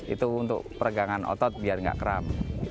itu untuk peregangan otot biar nggak kram